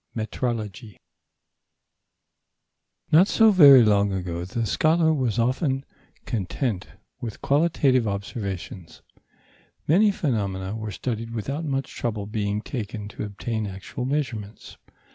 METROLOGY Not so very long ago, the scholar was often content with qualitative observations. Many phenomena were studied without much trouble being taken to obtain actual measurements.